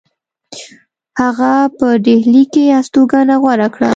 هغه په ډهلی کې هستوګنه غوره کړه.